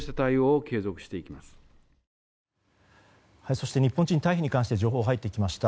そして日本人退避に関して情報が入ってきました。